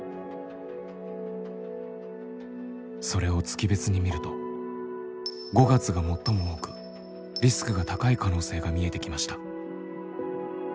それを月別に見ると５月が最も多くリスクが高い可能性が見えてきました。